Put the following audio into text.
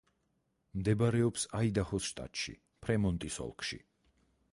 მდებარეობს აიდაჰოს შტატში, ფრემონტის ოლქში.